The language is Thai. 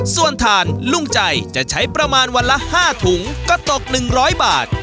ส่วนถ่านลุงใจจะใช้ประมาณวันละ๕ถุงก็ตก๑๐๐บาท